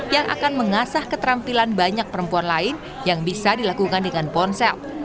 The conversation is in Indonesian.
yang akan mengasah keterampilan banyak perempuan lain yang bisa dilakukan dengan ponsel